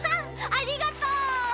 ありがとう！